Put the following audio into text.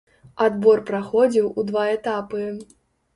Адбор праходзіў у два этапы.